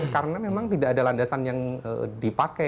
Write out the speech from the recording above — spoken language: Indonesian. karena memang tidak ada landasan yang dipakai